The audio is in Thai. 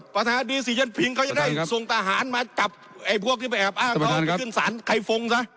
ประธานดีซียันพิงเขาจะได้ส่งทหารมาจับไอ้พวกที่ไปแอบอ้างเขาไปขึ้นศาลใครฟงซะ